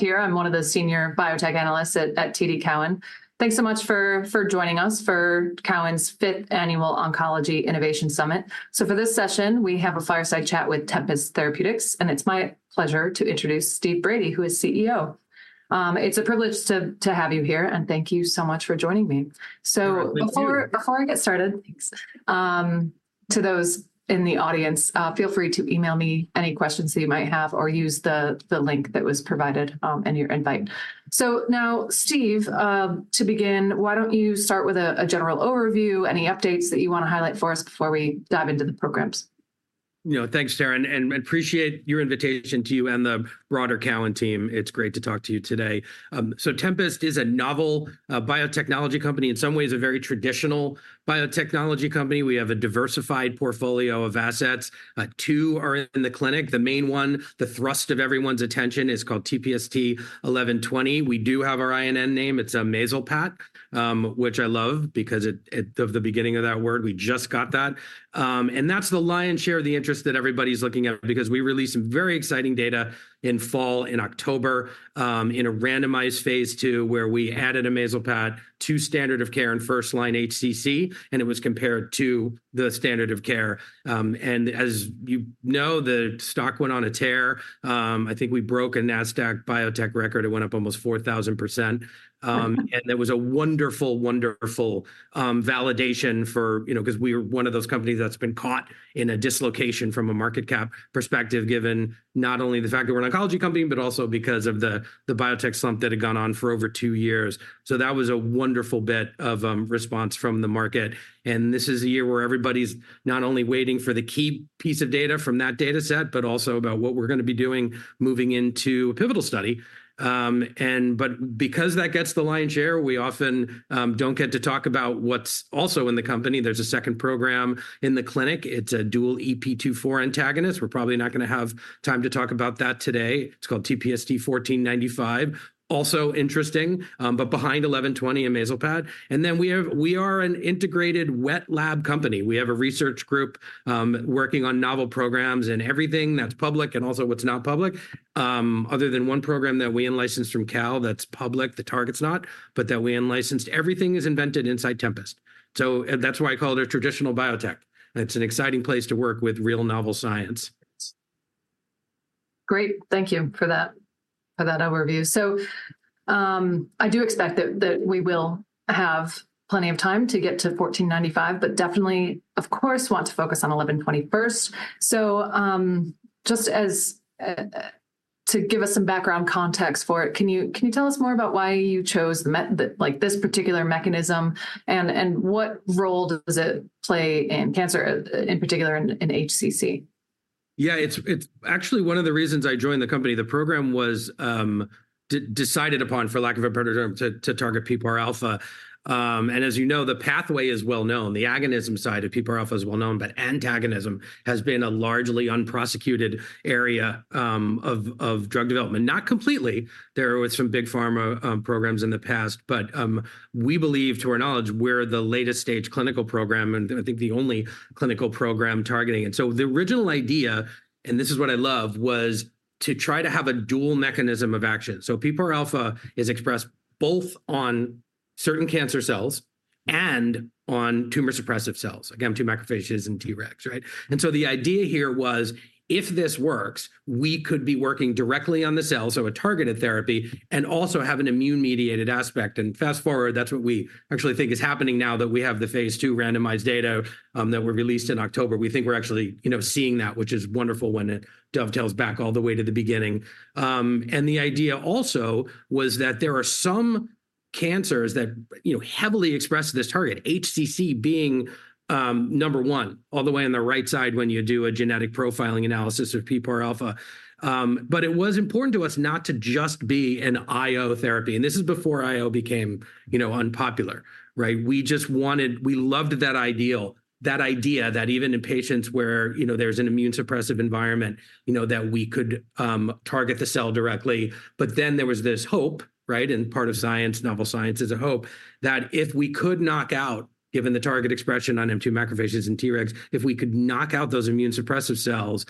Here. I'm one of the senior biotech analysts at TD Cowen. Thanks so much for joining us for Cowen's Fifth Annual Oncology Innovation Summit. So for this session, we have a fireside chat with Tempest Therapeutics, and it's my pleasure to introduce Steve Brady, who is CEO. It's a privilege to have you here, and thank you so much for joining me. You too. So before I get started, thanks to those in the audience, feel free to email me any questions that you might have or use the link that was provided in your invite. So now, Steve, to begin, why don't you start with a general overview, any updates that you wanna highlight for us before we dive into the programs? You know, thanks, Tara, and I appreciate your invitation to you and the broader TD Cowen team. It's great to talk to you today. So Tempest is a novel biotechnology company, in some ways a very traditional biotechnology company. We have a diversified portfolio of assets. Two are in the clinic. The main one, the thrust of everyone's attention, is called TPST-1120. We do have our INN name. It's amezalpat, which I love because it of the beginning of that word, we just got that. And that's the lion's share of the interest that everybody's looking at because we released some very exciting data in fall, in October, in a randomized phase II, where we added amezalpat to standard of care in first-line HCC, and it was compared to the standard of care. As you know, the stock went on a tear. I think we broke a Nasdaq biotech record. It went up almost 4,000%. And that was a wonderful, wonderful validation for... You know, 'cause we were one of those companies that's been caught in a dislocation from a market cap perspective, given not only the fact that we're an oncology company, but also because of the biotech slump that had gone on for over two years. So that was a wonderful bit of response from the market, and this is a year where everybody's not only waiting for the key piece of data from that data set, but also about what we're gonna be doing moving into a pivotal study. And but because that gets the lion's share, we often don't get to talk about what's also in the company. There's a second program in the clinic. It's a dual EP2/4 antagonist. We're probably not gonna have time to talk about that today. It's called TPST-1495. Also interesting, but behind 1120 and amezalpat. And then we have—we are an integrated wet lab company. We have a research group, working on novel programs and everything that's public and also what's not public. Other than one program that we in-licensed from Cal that's public, the target's not, but that we in-licensed, everything is invented inside Tempest. So, that's why I call it a traditional biotech. It's an exciting place to work with real novel science. Great. Thank you for that, for that overview. So, I do expect that we will have plenty of time to get to 1495, but definitely, of course, want to focus on 1120 first. So, just as to give us some background context for it, can you tell us more about why you chose the, like, this particular mechanism, and what role does it play in cancer, in particular in HCC? Yeah, it's actually one of the reasons I joined the company. The program was decided upon, for lack of a better term, to target PPAR alpha. And as you know, the pathway is well known. The agonism side of PPAR alpha is well known, but antagonism has been a largely unprosecuted area of drug development. Not completely, there were with some big pharma programs in the past, but we believe, to our knowledge, we're the latest stage clinical program, and I think the only clinical program targeting it. So the original idea, and this is what I love, was to try to have a dual mechanism of action. So PPAR alpha is expressed both on certain cancer cells and on tumor-suppressive cells, again, M2 macrophages and T-regs, right? The idea here was, if this works, we could be working directly on the cells, so a targeted therapy, and also have an immune-mediated aspect. Fast-forward, that's what we actually think is happening now that we have the phase II randomized data that were released in October. We think we're actually, you know, seeing that, which is wonderful when it dovetails back all the way to the beginning. The idea also was that there are some cancers that, you know, heavily express this target, HCC being number one, all the way on the right side when you do a genetic profiling analysis of PPARα. But it was important to us not to just be an IO therapy, and this is before IO became, you know, unpopular, right? We just wanted... We loved that idea that even in patients where, you know, there's an immune-suppressive environment, you know, that we could target the cell directly. But then there was this hope, right, and part of science, novel science is a hope, that if we could knock out, given the target expression on M2 macrophages and T-regs, if we could knock out those immune-suppressive cells,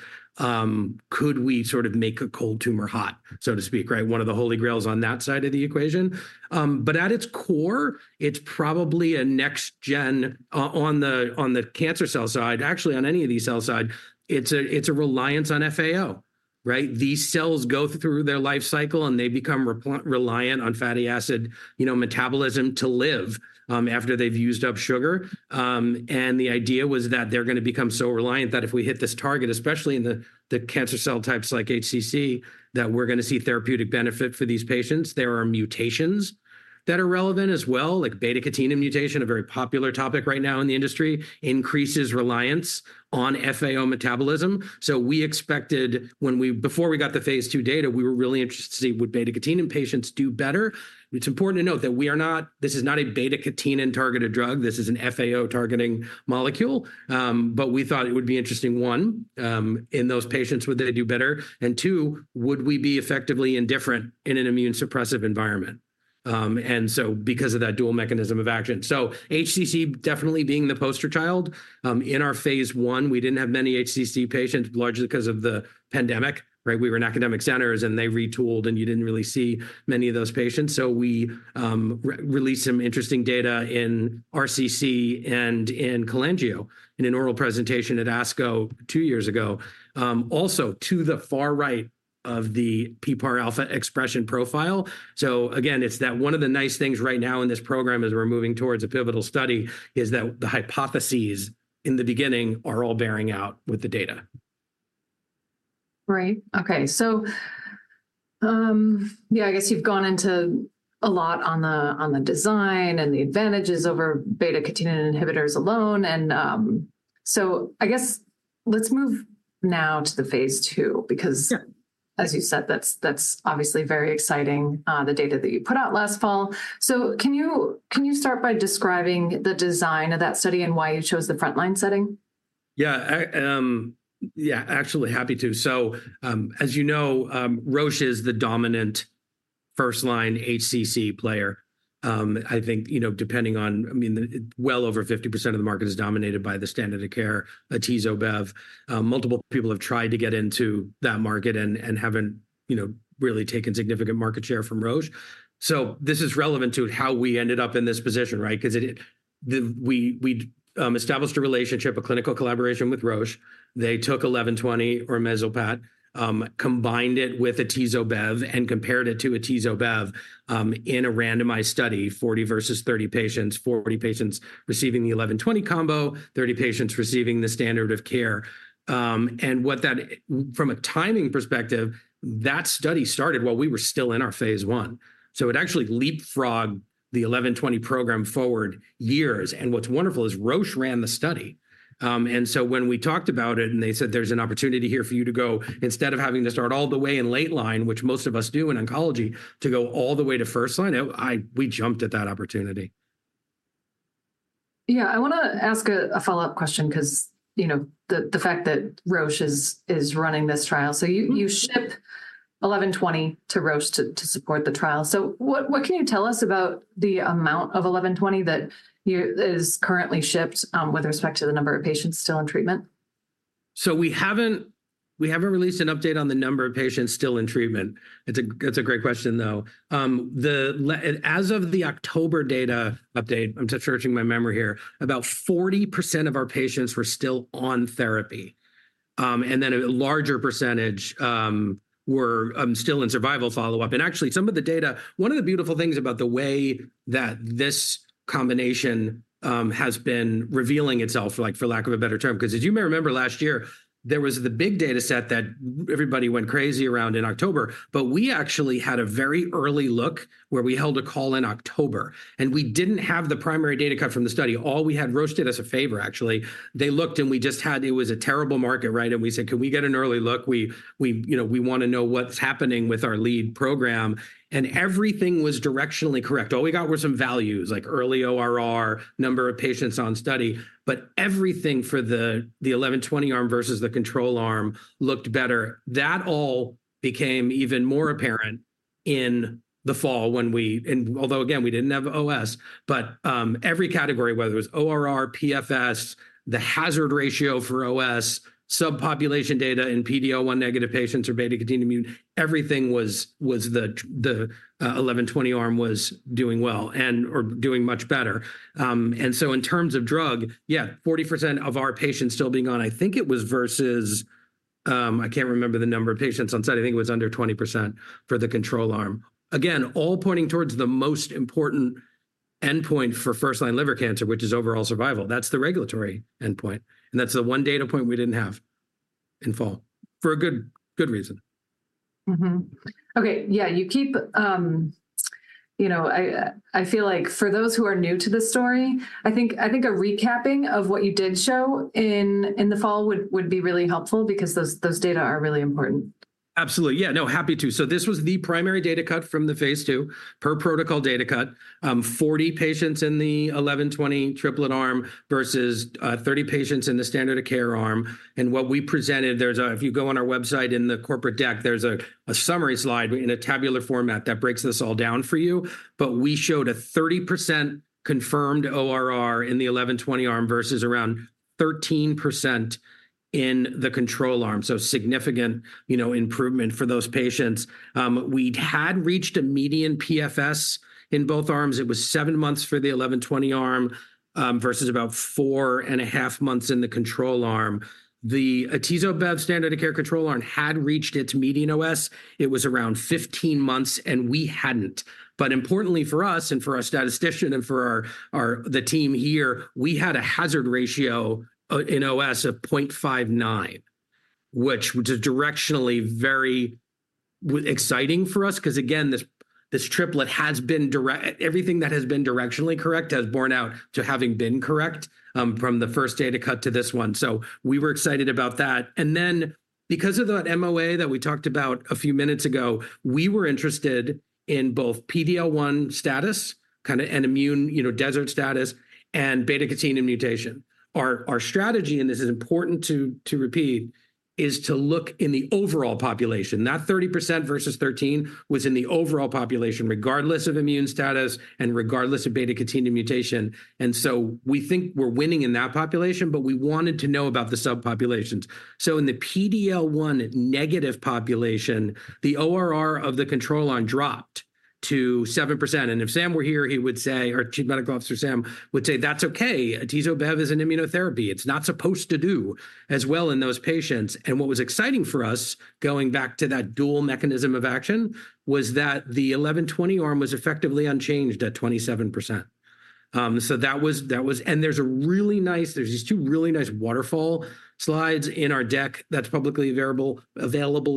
could we sort of make a cold tumor hot, so to speak, right? One of the holy grails on that side of the equation. But at its core, it's probably a next-gen on the cancer cell side, actually, on any of these cell side, it's a reliance on FAO, right? These cells go through their life cycle, and they become reliant on fatty acid, you know, metabolism to live after they've used up sugar. And the idea was that they're gonna become so reliant that if we hit this target, especially in the, the cancer cell types like HCC, that we're gonna see therapeutic benefit for these patients. There are mutations that are relevant as well, like beta-catenin mutation, a very popular topic right now in the industry, increases reliance on FAO metabolism. So we expected before we got the phase II data, we were really interested to see, would beta-catenin patients do better? It's important to note that we are not this is not a beta-catenin-targeted drug. This is an FAO-targeting molecule. But we thought it would be interesting, one, in those patients, would they do better? And two, would we be effectively indifferent in an immune-suppressive environment? And so because of that dual mechanism of action. So HCC definitely being the poster child. In our phase I, we didn't have many HCC patients, largely 'cause of the pandemic, right? We were in academic centers, and they retooled, and you didn't really see many of those patients. So we released some interesting data in RCC and in cholangio, in an oral presentation at ASCO two years ago. Also, to the far right of the PPAR alpha expression profile, so again, it's that one of the nice things right now in this program as we're moving towards a pivotal study, is that the hypotheses in the beginning are all bearing out with the data. Right. Okay, so, yeah, I guess you've gone into a lot on the design and the advantages over beta-catenin inhibitors alone. So I guess let's move now to the phase II, because- Yeah... as you said, that's, that's obviously very exciting, the data that you put out last fall. So can you, can you start by describing the design of that study and why you chose the frontline setting? Yeah, yeah, absolutely, happy to. So, as you know, Roche is the dominant first-line HCC player. I think, you know, depending on, I mean, well over 50% of the market is dominated by the standard of care, atezo-bev. Multiple people have tried to get into that market and haven't, you know, really taken significant market share from Roche. So this is relevant to how we ended up in this position, right? 'Cause we established a relationship, a clinical collaboration with Roche. They took 1120 or amezalpat, combined it with atezo-bev, and compared it to atezo-bev, in a randomized study, 40 versus 30 patients. 40 patients receiving the 1120 combo, 30 patients receiving the standard of care. And what that... From a timing perspective, that study started while we were still in our phase one. So it actually leapfrogged the 1120 program forward years, and what's wonderful is Roche ran the study. And so when we talked about it, and they said: "There's an opportunity here for you to go," instead of having to start all the way in late line, which most of us do in oncology, to go all the way to first line, we jumped at that opportunity. Yeah, I wanna ask a follow-up question, 'cause, you know, the fact that Roche is running this trial. Mm-hmm. So you ship 1120 to Roche to support the trial. So what can you tell us about the amount of 1120 that is currently shipped, with respect to the number of patients still in treatment? So we haven't, we haven't released an update on the number of patients still in treatment. That's a great question, though. As of the October data update, I'm searching my memory here, about 40% of our patients were still on therapy. And then a larger percentage were still in survival follow-up. Actually, some of the data, one of the beautiful things about the way that this combination has been revealing itself, like, for lack of a better term, 'cause as you may remember, last year, there was the big data set that everybody went crazy around in October. But we actually had a very early look where we held a call in October, and we didn't have the primary data cut from the study. All we had, Roche did us a favour, actually. They looked, and we just had... It was a terrible market, right? And we said: "Can we get an early look? We, you know, we wanna know what's happening with our lead program." And everything was directionally correct. All we got were some values, like early ORR, number of patients on study, but everything for the 1120 arm versus the control arm looked better. That all became even more apparent in the fall when we and although, again, we didn't have OS, but every category, whether it was ORR, PFS, the hazard ratio for OS, subpopulation data in PD-L1-negative patients or beta-catenin immune, everything was the 1120 arm was doing well and/or doing much better. And so in terms of drug, yeah, 40% of our patients still being on, I think it was versus, I can't remember the number of patients on study. I think it was under 20% for the control arm. Again, all pointing towards the most important endpoint for first-line liver cancer, which is overall survival. That's the regulatory endpoint, and that's the one data point we didn't have in fall, for a good, good reason. Mm-hmm. Okay, yeah. You know, I, I feel like for those who are new to this story, I think, I think a recapping of what you did show in, in the fall would, would be really helpful because those, those data are really important. Absolutely. Yeah, no, happy to. So this was the primary data cut from the phase II, per protocol data cut. 40 patients in the 1120 triplet arm versus 30 patients in the standard of care arm. And what we presented, there's if you go on our website in the corporate deck, there's a summary slide in a tabular format that breaks this all down for you. But we showed a 30% confirmed ORR in the 1120 arm versus around 13% in the control arm, so significant, you know, improvement for those patients. We'd had reached a median PFS in both arms. It was seven months for the 1120 arm versus about four and a half months in the control arm. The atezo-bev standard of care control arm had reached its median OS. It was around 15 months, and we hadn't. But importantly for us and for our statistician and for our, the team here, we had a hazard ratio in OS of 0.59, which was directionally very exciting for us, 'cause again, this, this triplet has been everything that has been directionally correct has borne out to having been correct, from the first data cut to this one. So we were excited about that. And then, because of that MOA that we talked about a few minutes ago, we were interested in both PD-L1 status, kinda, and immune, you know, desert status, and beta-catenin mutation. Our strategy, and this is important to repeat, is to look in the overall population. That 30% versus 13 was in the overall population, regardless of immune status and regardless of beta-catenin mutation. So we think we're winning in that population, but we wanted to know about the subpopulations. So in the PD-L1-negative population, the ORR of the control arm dropped to 7%, and if Sam were here, he would say, our Chief Medical Officer, Sam, would say, "That's okay. Atezolizumab is an immunotherapy. It's not supposed to do as well in those patients." And what was exciting for us, going back to that dual mechanism of action, was that the 1120 arm was effectively unchanged at 27%. So that was. And there's a really nice, there's these two really nice waterfall slides in our deck that's publicly available,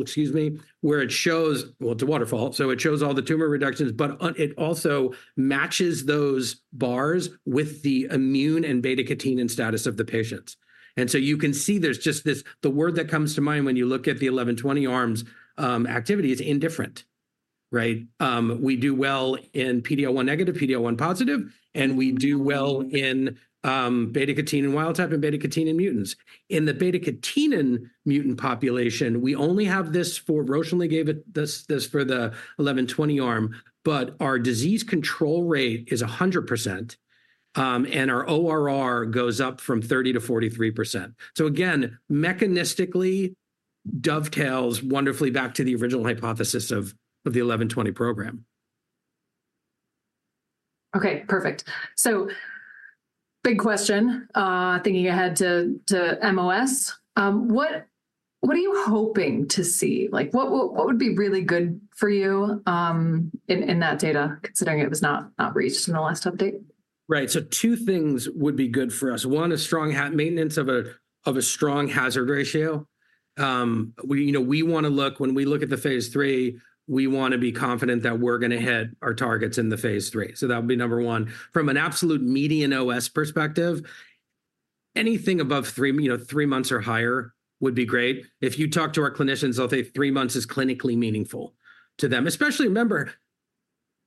excuse me, where it shows. Well, it's a waterfall, so it shows all the tumor reductions, but on, it also matches those bars with the immune and beta-catenin status of the patients. And so you can see there's just this, the word that comes to mind when you look at the 1120 arms, activity is indifferent, right? We do well in PD-L1 negative, PD-L1 positive, and we do well in beta-catenin wild type and beta-catenin mutants. In the beta-catenin mutant population, we only have this for, Roche only gave it this, this for the 1120 arm, but our disease control rate is 100%, and our ORR goes up from 30%-43%. So again, mechanistically dovetails wonderfully back to the original hypothesis of the 1120 program. Okay, perfect. So big question, thinking ahead to MOS. What are you hoping to see? Like, what would be really good for you, in that data, considering it was not reached in the last update? Right, so two things would be good for us. One, a strong maintenance of a strong hazard ratio. You know, we wanna look, when we look at the phase III, we wanna be confident that we're gonna hit our targets in the phase III, so that would be number one. From an absolute median OS perspective, anything above three, you know, three months or higher would be great. If you talk to our clinicians, they'll say three months is clinically meaningful to them. Especially, remember,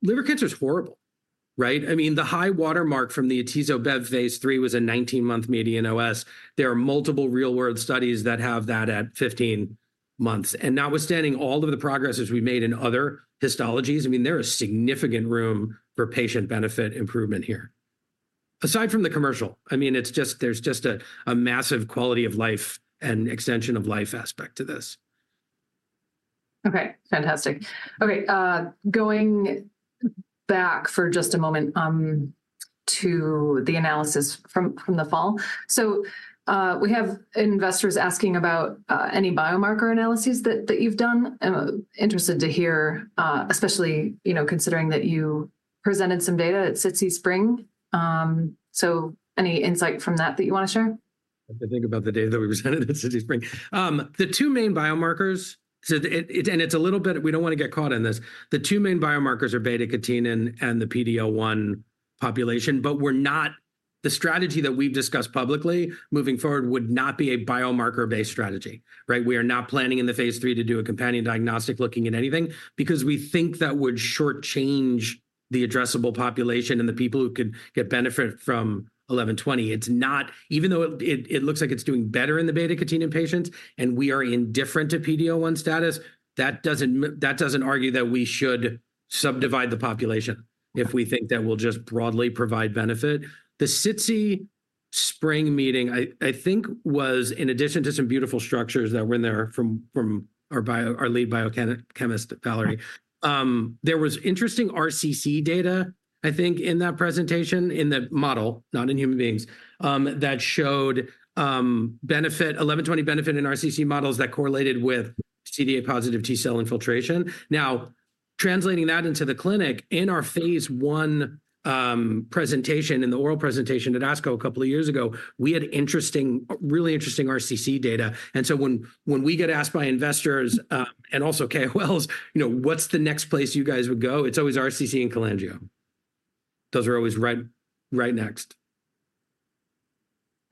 liver cancer is horrible, right? I mean, the high watermark from the atezo-bev phase III was a 19-month median OS. There are multiple real-world studies that have that at 15 months. Notwithstanding all of the progress we've made in other histologies, I mean, there is significant room for patient benefit improvement here. Aside from the commercial, I mean, it's just... there's just a massive quality of life and extension of life aspect to this. Okay, fantastic. Okay, going back for just a moment, to the analysis from the fall. So, we have investors asking about any biomarker analyses that you've done. I'm interested to hear, especially, you know, considering that you presented some data at SITC Spring. So any insight from that that you wanna share? I have to think about the data that we presented at SITC Spring. The two main biomarkers are beta-catenin and the PD-L1 population, but we're not... The strategy that we've discussed publicly moving forward would not be a biomarker-based strategy, right? We are not planning in the phase III to do a companion diagnostic looking at anything because we think that would shortchange the addressable population and the people who could get benefit from 1120. It's not... Even though it looks like it's doing better in the beta-catenin patients and we are indifferent to PD-L1 status, that doesn't argue that we should subdivide the population if we think that we'll just broadly provide benefit. The SITC Spring meeting, I think, was, in addition to some beautiful structures that were in there from our lead biochemist Valerie, there was interesting RCC data, I think, in that presentation, in the model, not in human beings, that showed benefit, 1120 benefit in RCC models that correlated with CD8-positive T-cell infiltration. Now, translating that into the clinic, in our phase I presentation, in the oral presentation at ASCO a couple of years ago, we had interesting, really interesting RCC data. And so when we get asked by investors and also KOLs, you know, "What's the next place you guys would go?" It's always RCC and cholangio. Those are always right, right next.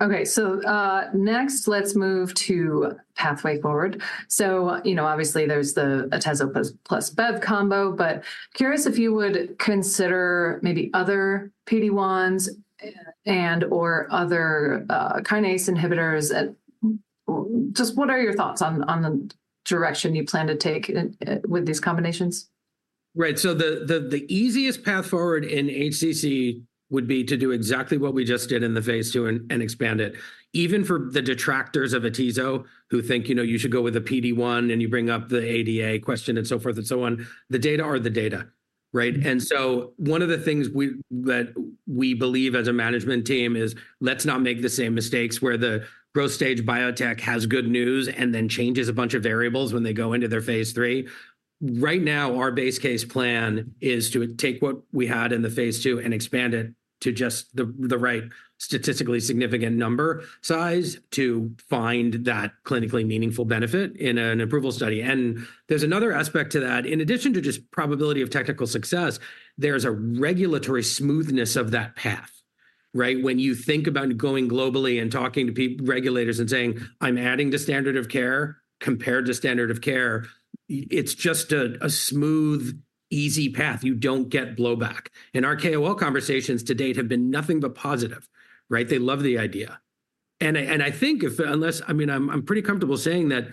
Okay, so, next, let's move to pathway forward. So, you know, obviously, there's the atezo plus bev combo, but curious if you would consider maybe other PD-1s and/or other, kinase inhibitors, and just what are your thoughts on, on the direction you plan to take, with these combinations? Right. So the easiest path forward in HCC would be to do exactly what we just did in the phase II and expand it. Even for the detractors of atezo, who think, you know, you should go with a PD-1, and you bring up the ADA question and so forth and so on, the data are the data, right? And so one of the things that we believe as a management team is let's not make the same mistakes where the growth stage biotech has good news and then changes a bunch of variables when they go into their phase III. Right now, our base case plan is to take what we had in the phase II and expand it to just the right statistically significant number size to find that clinically meaningful benefit in an approval study. And there's another aspect to that. In addition to just probability of technical success, there's a regulatory smoothness of that path, right? When you think about going globally and talking to regulators and saying, "I'm adding to standard of care, compared to standard of care," it's just a smooth, easy path. You don't get blowback. And our KOL conversations to date have been nothing but positive, right? They love the idea. And I think if, unless, I mean, I'm pretty comfortable saying that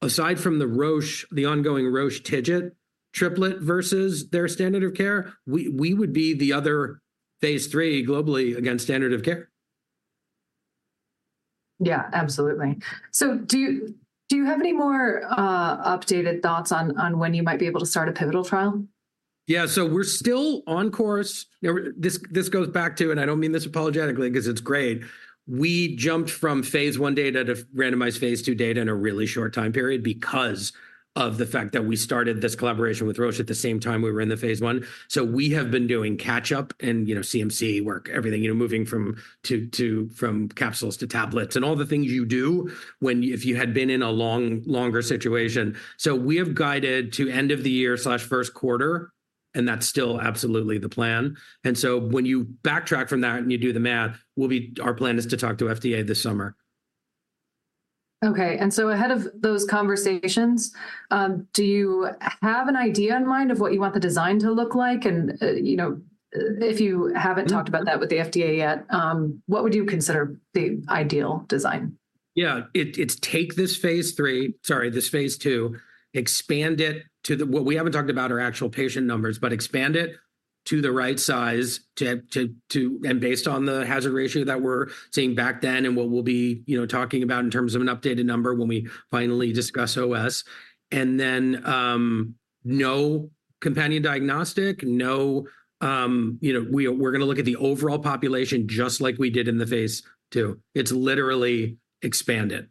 aside from the Roche, the ongoing Roche TIGIT triplet versus their standard of care, we would be the other phase III globally against standard of care.... Yeah, absolutely. So do you, do you have any more updated thoughts on, on when you might be able to start a pivotal trial? Yeah, so we're still on course. Now, this goes back to, and I don't mean this apologetically 'cause it's great, we jumped from phase Idata to randomized phase II data in a really short time period because of the fact that we started this collaboration with Roche at the same time we were in the phase I. So we have been doing catch-up and, you know, CMC work, everything, you know, moving from capsules to tablets, and all the things you do when you, if you had been in a longer situation. So we have guided to end of the year/first quarter, and that's still absolutely the plan. And so when you backtrack from that, and you do the math, our plan is to talk to FDA this summer. Okay, and so ahead of those conversations, do you have an idea in mind of what you want the design to look like? You know, if you haven't talked about that with the FDA yet, what would you consider the ideal design? Yeah. It's to take this phase II, expand it to the—what we haven't talked about are actual patient numbers, but expand it to the right size to, and based on the hazard ratio that we're seeing back then and what we'll be, you know, talking about in terms of an updated number when we finally discuss OS. And then, no companion diagnostic, no. You know, we, we're gonna look at the overall population just like we did in the phase II. It's literally expanded.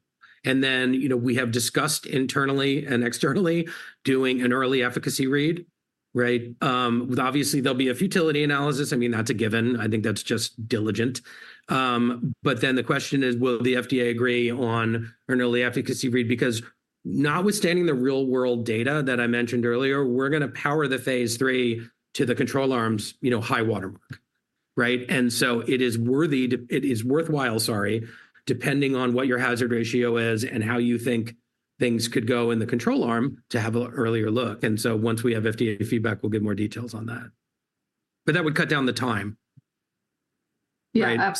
And then, you know, we have discussed internally and externally doing an early efficacy read, right? With obviously there'll be a futility analysis. I mean, that's a given. I think that's just diligent. But then the question is: Will the FDA agree on an early efficacy read? Because notwithstanding the real-world data that I mentioned earlier, we're gonna power the phase III to the control arm's, you know, high-water mark, right? And so it is worthwhile, sorry, depending on what your hazard ratio is and how you think things could go in the control arm to have an earlier look. And so once we have FDA feedback, we'll give more details on that. But that would cut down the time, right? Yeah.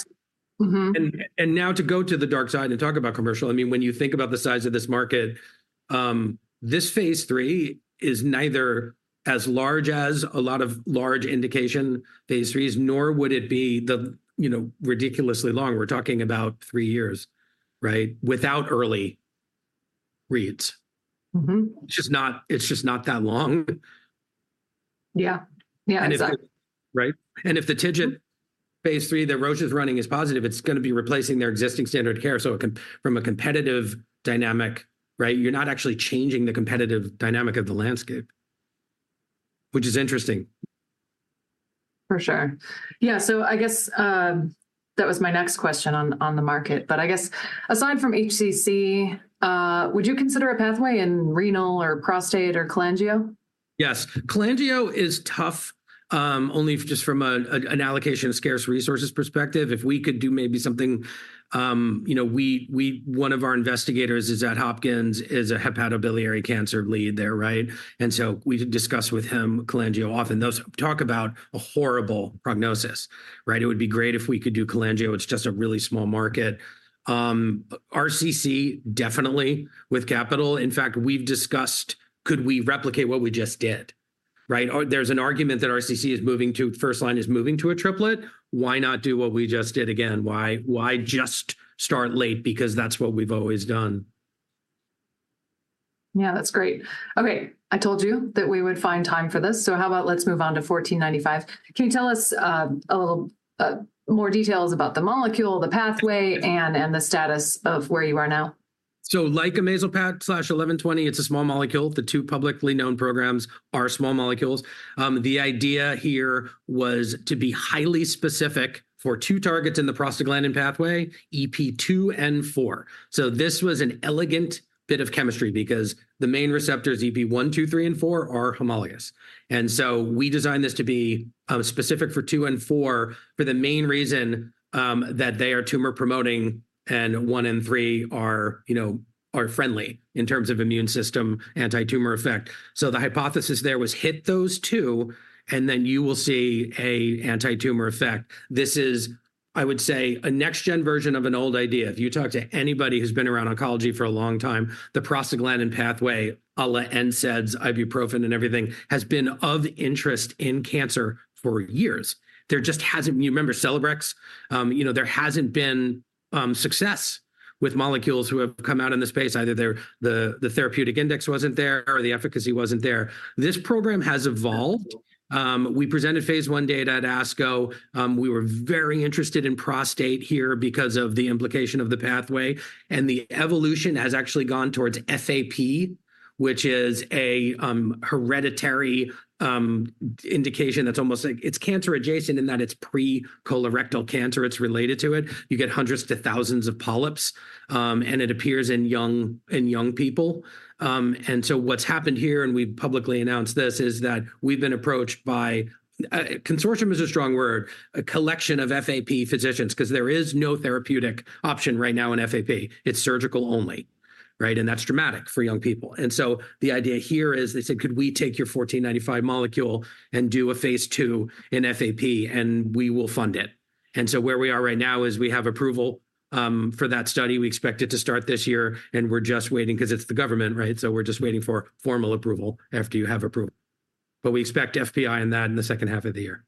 Mm-hmm. And now to go to the dark side and talk about commercial, I mean, when you think about the size of this market, this phase III is neither as large as a lot of large indication phase IIIs, nor would it be the, you know, ridiculously long. We're talking about three years, right, without early reads. Mm-hmm. It's just not, it's just not that long. Yeah. Yeah, exactly. If the TIGIT phase III that Roche is running is positive, it's gonna be replacing their existing standard of care, so it can, from a competitive dynamic, right? You're not actually changing the competitive dynamic of the landscape, which is interesting. For sure. Yeah, so I guess that was my next question on the market. But I guess aside from HCC, would you consider a pathway in renal or prostate or cholangio? Yes. Cholangio is tough, only just from an allocation of scarce resources perspective. If we could do maybe something, you know, one of our investigators is at Hopkins, is a hepatobiliary cancer lead there, right? And so we've discussed with him cholangio often. Those, talk about a horrible prognosis, right? It would be great if we could do cholangio. It's just a really small market. RCC, definitely with capital. In fact, we've discussed: Could we replicate what we just did, right? Or there's an argument that RCC is moving to first line, is moving to a triplet. Why not do what we just did again? Why just start late because that's what we've always done? Yeah, that's great. Okay, I told you that we would find time for this, so how about let's move on to 1495? Can you tell us a little more details about the molecule, the pathway, and the status of where you are now? So like amezalpat/1120, it's a small molecule. The two publicly known programs are small molecules. The idea here was to be highly specific for two targets in the prostaglandin pathway, EP2 and EP4. So this was an elegant bit of chemistry because the main receptors, EP1, EP2, EP3, and EP4, are homologous. And so we designed this to be, specific for EP2 and EP4, for the main reason, that they are tumor-promoting, and EP1 and EP3 are, you know, are friendly in terms of immune system anti-tumor effect. So the hypothesis there was hit those two, and then you will see a anti-tumor effect. This is, I would say, a next-gen version of an old idea. If you talk to anybody who's been around oncology for a long time, the prostaglandin pathway, a la NSAIDs, ibuprofen, and everything, has been of interest in cancer for years. There just hasn't... You remember Celebrex? You know, there hasn't been success with molecules who have come out in this space. Either the therapeutic index wasn't there, or the efficacy wasn't there. This program has evolved. We presented phase I data at ASCO. We were very interested in prostate here because of the implication of the pathway, and the evolution has actually gone towards FAP, which is a hereditary indication that's almost like it's cancer-adjacent in that it's pre-colorectal cancer. It's related to it. You get hundreds to thousands of polyps, and it appears in young people. And so what's happened here, and we've publicly announced this, is that we've been approached by, consortium is a strong word, a collection of FAP physicians, 'cause there is no therapeutic option right now in FAP. It's surgical only, right? That's dramatic for young people. So the idea here is they said, "Could we take your 1495 molecule and do a phase II in FAP, and we will fund it?" Where we are right now is we have approval for that study. We expect it to start this year, and we're just waiting, 'cause it's the government, right? So we're just waiting for formal approval after you have approval, but we expect FPI on that in the second half of the year.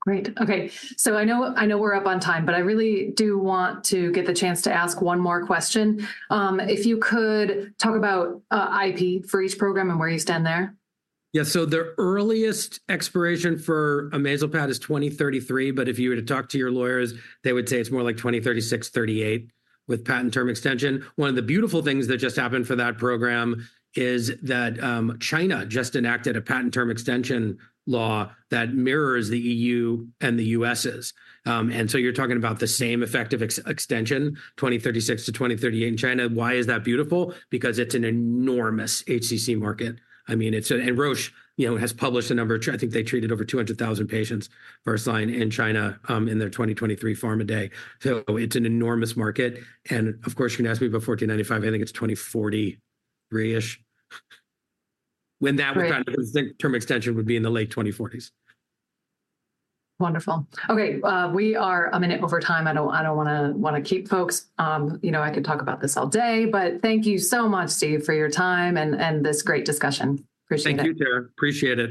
Great. Okay, so I know, I know we're up on time, but I really do want to get the chance to ask one more question. If you could talk about IP for each program and where you stand there? Yeah, so the earliest expiration for amezalpat is 2033, but if you were to talk to your lawyers, they would say it's more like 2036, 2038, with patent term extension. One of the beautiful things that just happened for that program is that, China just enacted a patent term extension law that mirrors the EU and the U.S.'s. And so you're talking about the same effective extension, 2036 to 2038 in China. Why is that beautiful? Because it's an enormous HCC market. I mean, it's a... And Roche, you know, has published a number. I think they treated over 200,000 patients first line in China, in their 2023 Pharma Day. So it's an enormous market, and of course, you can ask me about 1495. I think it's 2043-ish. Right. When that would, the term extension would be in the late 2040s. Wonderful. Okay, we are a minute over time. I don't wanna keep folks. You know, I could talk about this all day, but thank you so much, Steve, for your time and this great discussion. Appreciate it. Thank you, Tara. Appreciate it.